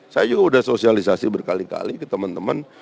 saya juga sudah sosialisasi berkali kali ke teman teman